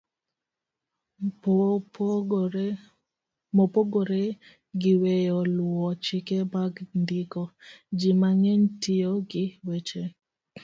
Mopogore gi weyo luwo chike mag ndiko, ji mang'eny tiyo gi weche